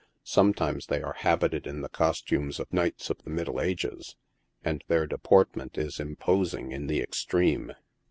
Sometimes they are habited in the cos tume of knights of the middle ages, and their deportment is impos ' ing in the extreme.